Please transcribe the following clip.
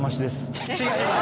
違います！